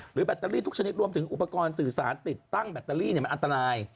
แบตเตอรี่ทุกชนิดรวมถึงอุปกรณ์สื่อสารติดตั้งแบตเตอรี่มันอันตราย